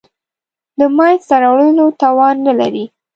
د منځته راوړلو توان نه لري.